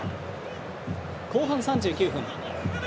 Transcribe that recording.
後半３９分。